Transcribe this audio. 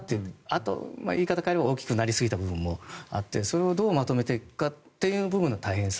あと、言い方を変えれば大きくなりすぎた部分もあってそれをどうまとめていくかという部分の大変さ